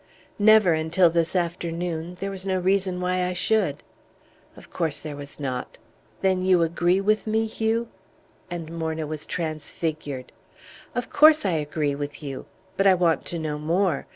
"Never until this afternoon; there was no reason why I should." "Of course there was not." "Then you agree with me, Hugh?" And Morna was transfigured. "Of course I agree with you! But I want to know more.